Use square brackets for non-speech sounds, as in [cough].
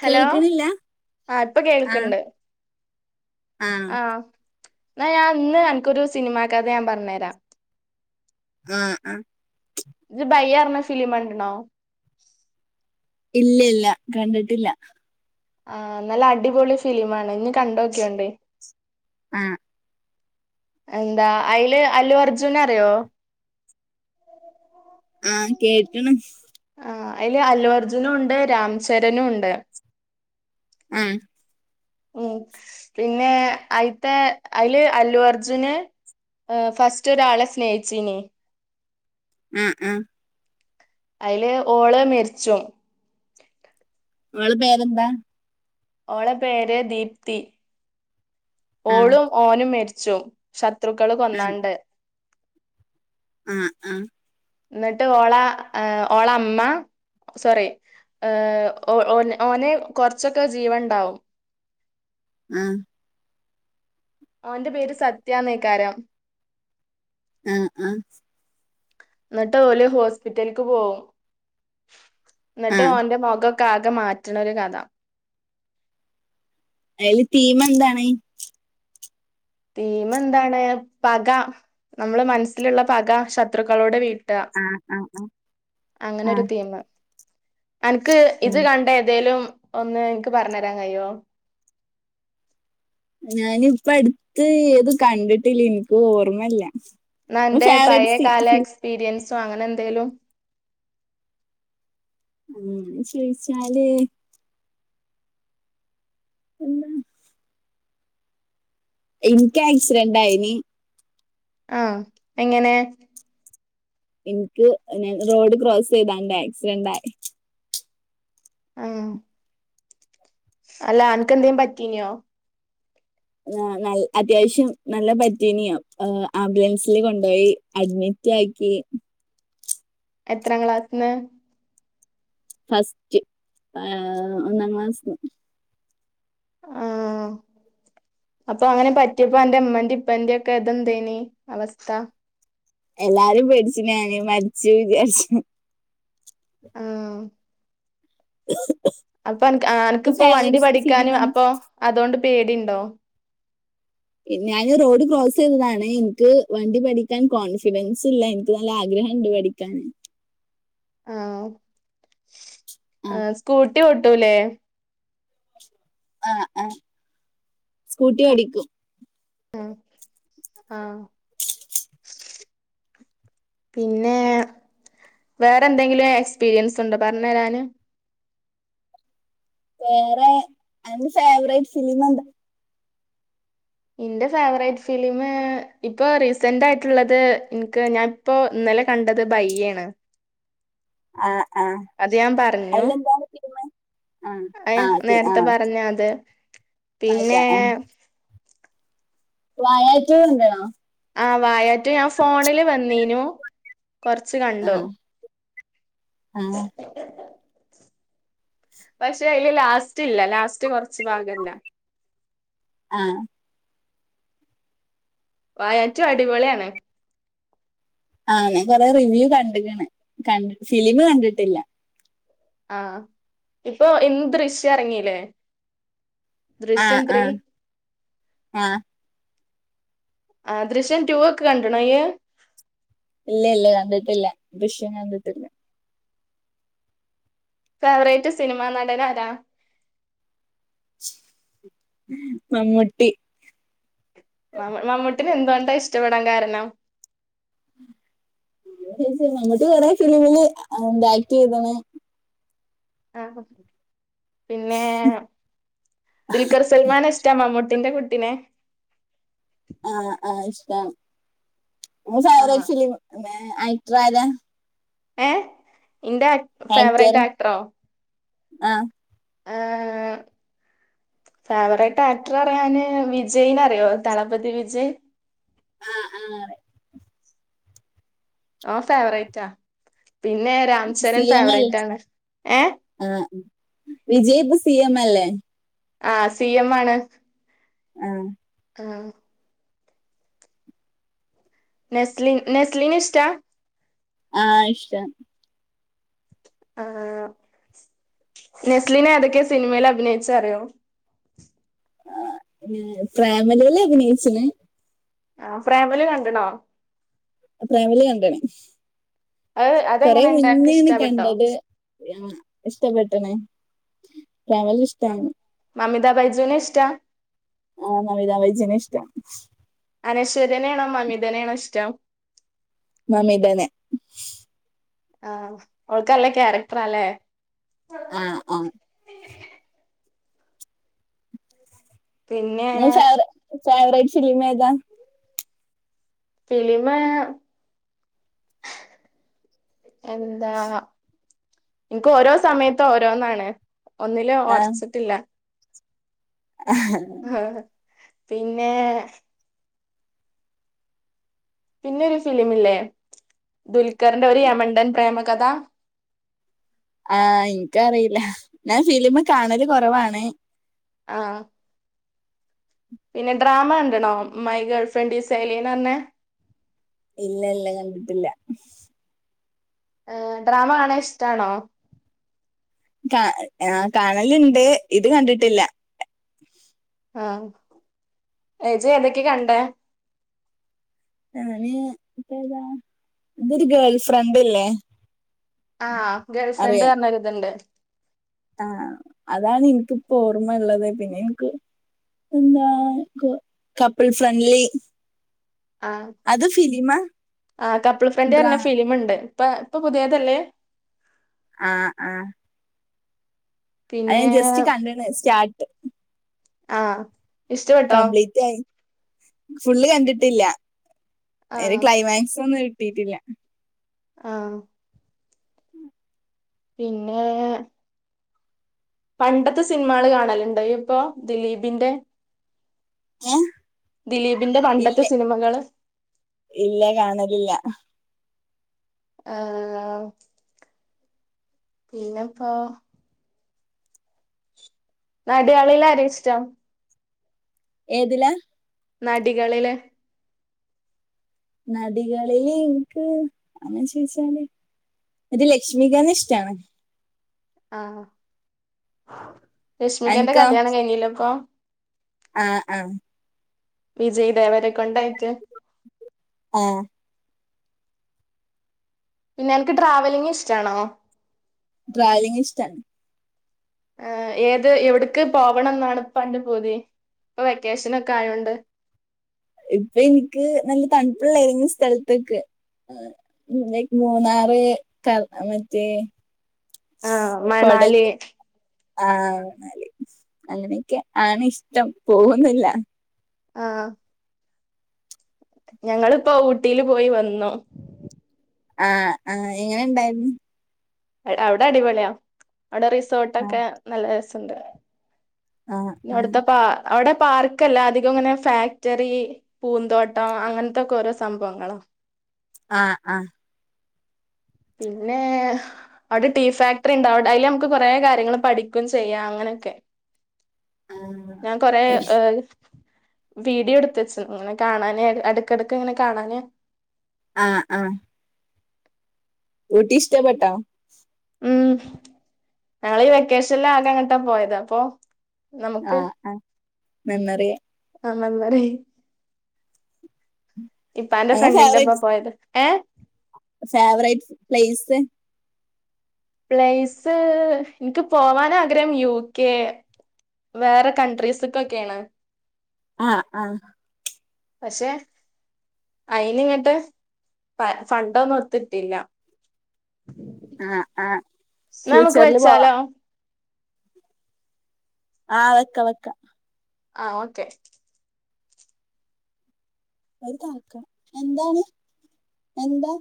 Hello കേൾക്കണില്ല ആഹ് ഇപ്പൊ ആ കേൾക്കണിണ്ട് ആ ആഹ് എന്നാ ഞാൻ ഇന്ന് അനക്കൊരു സിനിമാ കഥ ഞാൻ പറഞ്ഞേരാം ആഹ് അഹ് ഇജ്ജ് ഭയ്യേ പറഞ്ഞ ഫിലിം കണ്ടിണോ ഇല്ല ഇല്ല കണ്ടിട്ടില്ല ആഹ് നല്ല അടിപൊളി ഫിലിമാണ് ഇനി കണ്ടോക്കിയോണ്ട് ആഹ് എന്താ അയില് അല്ലു അർജുനെ അറിയോ ആഹ് കേട്ട്ണ് ആഹ് അയില് അല്ലു അർജുനും ഉണ്ട് രാംചരനും ഉണ്ട് ആഹ് ഉം പിന്നെ അയിത്തെ അയില് അല്ലു അർജുന് ഫസ്റ്റ് ഒരാളെ സ്നേഹിച്ചീനി ആഹ് ആഹ് അയില് ഓള് മെരിച്ചോം അവളെ പേരെന്താ ഓളെ പേര് ദീപ്തി ആ ഓളും ഓനും മെരിച്ചോം ശത്രുക്കള് ആ കൊന്നാണ്ട് ആഹ് ആഹ് എന്നിട്ട് ഓള ഓള അമ്മ സോറി ഓ ഓനെ കൊറച്ചൊക്കെ ജീവൻ ഉണ്ടാവും ആഹ് ഓൻ്റെ പേര് സത്യാന്നെക്കാരാം ആഹ് ആഹ് എന്നിട്ട് ഓല് ഹോസ്പിറ്റലിക്ക് പോവും ആ എന്നിട്ട് ഓന്റെ മൊകം ആകെ മാറ്റണ ഒരു കഥ അതിലെ തീമ് എന്താണ് തീമ് എന്താണ് പക നമ്മള മനസ്സിലുള്ള പക ശത്രുക്കളോടെ വീ ട്ട ആ ആ ആ ആ ആ അങ്ങനൊരു തീമ അനക്ക് ഇത് കണ്ട ഏതേലും ഒന്ന് എനിക്ക് പറഞ്ഞരാൻ കയിയോ ഞാനിപ്പ അടുത്ത് ഏത് കണ്ടിട്ടില്ല എനിക്ക് ഓർമ്മല്ല അന്ന അൻ്റെ പഴേ കാല എക്സ്പീരിയൻസോ അങ്ങനെ എന്തേലും ഉം അങ്ങനെ ചോയിച്ചാല് എന്താ എനിക്ക് ആക്സിഡന്റായിനി ആഹ് എങ്ങനെ എനിക്ക് ഞാൻ റോഡ് ക്രോസ് ചെയ്താണ്ട് ആക്സിഡന്റ് ആയി ആഹ് അല്ല അനക്ക് എന്തേം പറ്റീനിയോ ആഹ് നൽ അത്യാവശ്യം നല്ല പറ്റിനിയോ ആംബുലൻസില് കൊണ്ടോയി അഡ്മിറ്റ് ആക്കി എത്രാം ക്ലാസ്സിന്ന് ഫസ്റ്റ് ആഹ് ഒന്നാം ക്ലാസ്സ്ന്ന് ആഹ് അപ്പൊ അങ്ങനെ പറ്റിയപ്പോ അന്റെ ഉമ്മൻ്റീം ഉപ്പന്റിം ഒക്കെ ഇതെന്തേനി അവസ്ഥ എല്ലാരും പേടിച്ചു ഞാന് മരിച്ചു വിചാരിച്ച് ആഹ് [unintelligible] അപ്പൊ അനക്ക് ആഹ് എന്റെ അനക്കിപ്പോ വണ്ടി ഫേവറേറ്റ് സിനിമ പഠിക്കാനും അപ്പൊ അതോണ്ട് പേടിണ്ടോ ഞാൻ റോഡ് ക്രോസ് ചെയ്തതാണ് ഇനിക്ക് വണ്ടി പഠിക്കാൻ കോൺഫിഡൻസ് ഇല്ല നല്ല ആഗ്രഹം ഇണ്ട് പഠിക്കാൻ ആഹ് ആഹ് സ്കൂട്ടി ഓട്ടൂല്ലേ ആഹ് ആഹ് സ്കൂട്ടി ഓടിക്കും ആഹ് ആഹ് [unintelligible] [unintelligible] പിന്നെ വേറെ എന്തെങ്കിലും എക്സ്പീരിയൻസ് ഉണ്ടോ പറഞ്ഞെരാന് വേറെ എന്റെ ഫേവറേറ്റ് സിനിമ ഏതാ ഇന്റെ ഫേവറേറ്റ് ഫിലിമ് ഇപ്പൊ റീസെന്റ് ആയിട്ടുള്ളത് ഇൻക്ക് ഞാൻ ഇപ്പൊ ഇന്നലെ കണ്ടത് ബയ്യേണ് ആഹ് ആഹ് അത് ഞാൻ പറഞ്ഞു അയിലെന്താണ് ഫിലിമ് ആഹ് അത് ആഹ് തി നേരത്തെ ആഹ് പറഞ്ഞു അത് പിന്നെ വാഴ റ്റു കണ്ട്ണോ ആഹ് വായാ റ്റു ഞാൻ ഫോണില് വന്നീനു കൊറച്ച് കണ്ടു ആഹ് ആഹ് പക്ഷെ അയില് ലാസ്റ്റ് ഇല്ല ലാസ്റ്റ് കൊറച്ച് ഭാഗം ഇല്ല ആഹ് വായ റ്റു അടിപൊളിയാണ് ആഹ് ഞാൻ കൊറേ റിവ്യൂ കണ്ട്ക്ക്ണ് ക ഫിലിം കണ്ടിട്ടില്ല ആഹ് ഇപ്പൊ ഇന്ന് ദൃശ്യം ഇറങ്ങീലേ ആഹ് ആഹ് ആഹ് ആഹ് ദൃശ്യം റ്റൂ ഒക്കെ കണ്ട്ണോ ഇയ്യ് ഇല്ല ഇല്ല കണ്ടിട്ടില്ല ദൃശ്യം കണ്ടിട്ടില്ല ഫേവറേറ്റ് സിനിമ നടൻ ആരാ മമ്മൂട്ടി മ മമ്മൂട്ടിനെ എന്തുകൊണ്ടാ ഇഷ്ടപ്പെടാൻ കാരണം മമ്മൂട്ടി കൊറേ ഫിലിമില് ന്താ ആക്ട് ചെയ്ത്ണ് ആഹ് പിന്നെ ദുൽഖർ സൽമാനെ ഇഷ്ടാ മമ്മൂട്ടീന്റെ കുട്ടിനെ ആഹ് ആഹ് ഇഷ്ടാണ് നിന്റെ ആഹ് ഫേവറേറ്റ് ഫിലിം ആ ആക്ടറാരാ ഏഹ് ഇന്റെ ആക് ആക്ടറ് ആഹ് ആഹ് ഫേവറേറ്റ് ആക്ടർ പറയാന് വിജയ് നെ അറിയോ ദളപതി വിജയ് ആഹ് ആഹ് അവൻ ഫേവറേറ്റാ പിന്നെ രാംചരൻ ഫേവറേറ്റ് ആണ് ഏ ഏഹ് വിജയി ഇപ്പം സി എം അല്ലെ ആ സി എം ആണ് ആഹ് ആഹ് നസ്ലിൻ നസ്ലിനെ ഇഷ്ടാ ആ ഇഷ്ട്ടാ ആ നസ്ലിൻ ഏതൊക്കേ സിനിമയിൽ അഭിനയിച്ചു അറിയോ ആ പ്രേമലൂല് അഭിനേച്ചിന് ആ പ്രേമലൂ കണ്ട്ണോ പ്രേമലൂ കണ്ടണ് അത് കൊറേ അതെങ്ങനെണ്ട് അനക്ക് മുന്നെണ് ഇഷ്ടപ്പെട്ടോ കണ്ടത് ആ ഇഷ്ടപ്പെട്ടണ് പ്രേമലൂ ഇഷ്- മമിത ബൈജുനെ ഇഷ്ടാ ആ മമിത ബൈജുനെ ഇഷ്ടം അനശരാണോ മമിതനാണോ ഇഷ്ടം മമിതനെ ആഹ് ഓൾക്കല്ല ക്യാരക്ടറാല്ലേ ആഹ് ആഹ് പിന്നെ ങ്ങളെ ഫേവ ഫേവറേറ്റ് ഫിലിമേതാ ഫിലിമ് എന്താ ൻക്ക് ഓരോ സമയത്ത് ഓരോന്നാണ് ഒന്നില് ആ ഒറച്ചിട്ടില്ല [inaudible] പിന്നെ പിന്നെ ഒരു ഫിലിമില്ലേ ദുൽഖറിന്റെ ഒരു യമണ്ടൻ പ്രേമകഥ ആ ഇൻക്കറീല ഞാൻ ഫിലിം കാണല് കുറവാണ് ആഹ് പിന്നെ ഡ്രാമ കണ്ട്ണോ മൈ ഗേൾ ഫ്രണ്ട് ഈസ് ഏലിയൻറഞ്ഞെ ഇല്ലല്ല ഞാൻ കണ്ടിട്ടില്ല ഡ്രാമ കാണാ ഇഷ്ടാണോ കാ ആ കാണല്ണ്ട് ഇത് കണ്ടിട്ടില്ല ആ ജ് ഏതൊക്കെ കണ്ടെ ഞാന് പ്പേതാ ഇതൊരു ഗേൾ ഫ്രണ്ട്ല്ലേ ആ ഗേൾഫ്രണ്ട് പറഞ്ഞരുത്ണ്ട് ആഹ് അതാണ് നിക്കിപ്പോ ഓർമ്മള്ളത് പിന്നെ എനിക്ക് എന്താ [unintelligible] കപ്പ്ൾ ഫ്രണ്ട്ലി ആ അത് ഫിലിമാ ആ കപ്പിൾ ഡ്രാ ഫ്രണ്ട്ലിറഞ്ഞ ഫിലിമ്ണ്ട് ഇപ്പൊ ഇപ്പൊ പുതിയതല്ലേ ആ ആ അത് ഞാൻ പിന്നെ ജസ്റ്റ് കണ്ട്ണ് സ്റ്റാർ ആഹ് ഇഷ്ടപ്പെട്ടോ കംപ്ലീറ്റ് ആയി ഫുള്ള് കണ്ടിട്ടില്ല ഐന്റെ ആഹ് ക്ലൈമാക്സ് ഒന്നും കിട്ടിയിട്ടില്ല ആഹ പിന്നെ പണ്ടത്തെ സിനിമകൾ കാണലുണ്ടോയ്പ്പൊ ദിലീപിന്റെ ഏ ദിലീപിന്റെ ഇല്ല പണ്ടത്തെ സിനിമകള് ഇല്ല കാണലില്ല ആഹ് പിന്നെപ്പോ നടിയാളിൽ ആരെഷ്ടം ഏതിലാ നടികളില് നടികളിൽ ഇൻക്ക് അങ്ങനെ ചോദിച്ചാല് ഇന്ക്ക് ലക്ഷ്മികനെഷ്ടാണ് ആഹ് രശ്മികന്റെ കല്യാണം കഴിഞ്ഞില്ലേപ്പൊ ആഹ് ആഹ് വിജയ് ദേവരകൊണ്ട് ആയിട്ട് ആഹ് പിന്നെ അനക്ക് ട്രാവലിംഗിഷ്ടാണോ ട്രാവലിംഗിഷ്ടാണ് ആഹ് ഏത് എവിടക്ക് പോവണംന്നാണ് ഇപ്പം അന്റെ പൂതി ഇപ്പൊ വെക്കേഷനൊക്കെ ആയോണ്ട് ഇപ്പൊ ഇൻക്ക് നല്ല തണുപ്പ്ള്ള ഏതെങ്കിലും സ്ഥലത്ത്ക്ക് പിന്നേ ഇന്ക് മൂന്നാറ് ക മറ്റേ ആഹ് കൊടെക്ക മണാലി ആഹ്ആണ്ന്നാല് അങ്ങനെക്കാണ് ഇഷ്ടം പോവുന്നില്ല ആഹ്. ഞങ്ങള്പ്പോ ഊട്ടില് പോയി വന്നു. ആഹ് ആഹ് എങ്ങനെണ്ടായിര്ന്ന് അവിടെ അടിപൊളിയാ അവിടെ ആ റിസോർട്ടൊക്കെ നല്ല രസണ്ട്. ആ അവ്ട്ത്തെ പാ അവ്ടെ പാർക്കല്ല അധികങ്ങനെ ഫാക്ടറി പൂന്തോട്ടം അങ്ങൻത്തക്കോരോ സംഭവങ്ങളാ ആഹ് ആഹ്. പിന്നേ... അവ്ടെ ടീ ഫാക്ടറിണ്ടവ്ടെ അയില് നമ്മക്ക് കൊറേ കാര്യങ്ങള് പഠിക്കും ചെയ്യാ അങ്ങനൊക്കെ ഞാൻ കൊറേ ഏഹ് വീഡിയോട്ത്തെച്ച് ഇങ്ങനെ കാണാന് എടക്കെടക്ക്ങ്ങനെ കാണാന് ആഹ് ആഹ്. ഊട്ടിഷ്ടപ്പെട്ടോ ഉം ഞങ്ങളീ വെക്കേഷന്ല് ആകങ്ങട്ടാ പോയത് അപ്പോ ആഹ് ആഹ് മെമ്മറീ ആഹ് മെമ്മറീ ഇപ്പാന്റെ അങ്ങനെ ഫ്രണ്ടിന്റൊപ്പാ ഫേവറേറ്റ് പോയത് ഏഹ് ഫേവറേറ്റ് പ്ലേസ് പ്ലേസ് ഇന്ക്ക് പോവാനാഗ്രഹം യു കെ വേറെ കൺട്രീസ്ക്കൊകേണ്. ആഹ് ആഹ്. പക്ഷെ അയിനിങ്ങട്ട് ഫണ്ട് ഒന്നും ഒത്ത്‌ കിട്ടിയില്ല ആഹ് ആഹ്. ന്നാമ്മക്ക് ഫ്യൂച്ചറില് പോവാ വെച്ചാലോ ആഹ് വെക്ക വെക്ക. ആഹ് ഓക്കെ. ഒര് [unintelligible] എന്താണ് എന്താ?